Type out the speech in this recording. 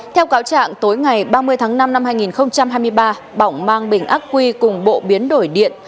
theo cáo trạng tối ngày ba mươi tháng năm năm hai nghìn hai mươi ba bỏng mang bình ác quy cùng bộ biến đổi điện